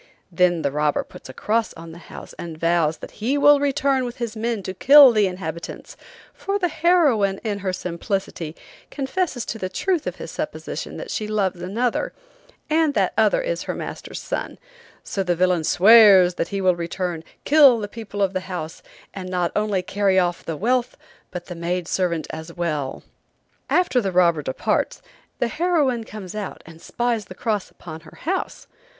Then the robber puts a cross on the house and vows that he will return with his men to kill the inhabitants, for the heroine, in her simplicity, confesses to the truth of his supposition that she loves another, and that other is her master's son, so the villain swears that he will return, kill the people of the house, and not only carry off the wealth but the maidservant as well. After the robber departs, the heroine comes out, and spies the cross upon her house.